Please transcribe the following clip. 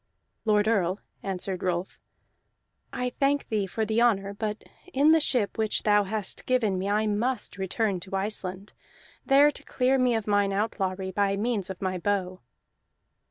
"Lord Earl," answered Rolf, "I thank thee for the honor, but in the ship which thou hast given me I must return to Iceland, there to clear me of mine outlawry by means of my bow."